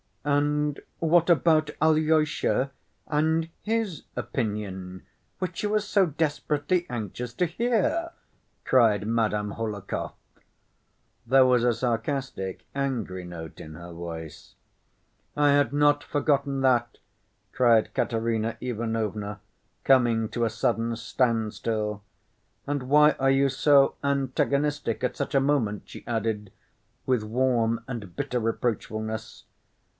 "And what about Alyosha and his opinion, which you were so desperately anxious to hear?" cried Madame Hohlakov. There was a sarcastic, angry note in her voice. "I had not forgotten that," cried Katerina Ivanovna, coming to a sudden standstill, "and why are you so antagonistic at such a moment?" she added, with warm and bitter reproachfulness.